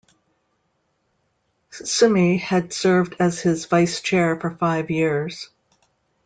Summey had served as his vice-chair for five years.